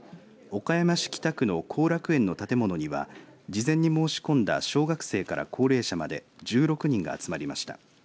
岡山市北区の後楽園の建物には事前に申し込んだ小学生から高齢者まで１６人が集まりました。